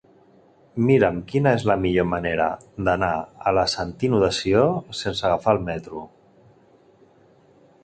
Mira'm quina és la millor manera d'anar a la Sentiu de Sió sense agafar el metro.